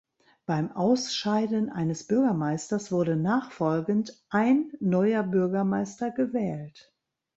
Beim Ausscheiden eines Bürgermeisters wurde nachfolgend "ein" neuer Bürgermeister gewählt.